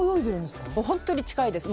本当に近いです。